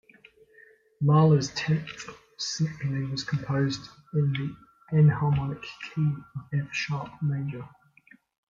Mahler's Tenth Symphony was composed in the enharmonic key of F-sharp major.